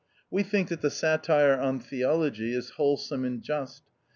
We think that the satire on theology is whole some and just.